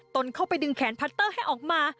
ตนเข้าไปดึงแขนพัตเตอร์ให้ออกมา